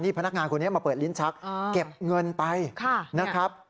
พนักงานคนนี้มาเปิดลิ้นชักเก็บเงินไปนะครับ